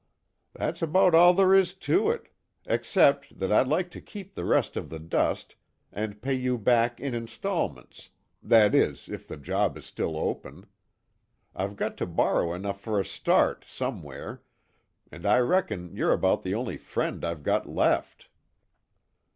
"That's about all there is to it. Except that I'd like to keep the rest of the dust, and pay you back in installments that is, if the job is still open. I've got to borrow enough for a start, somewhere and I reckon you're about the only friend I've got left."